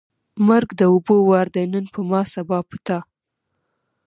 ـ مرګ د اوبو وار دی نن په ما ، سبا په تا.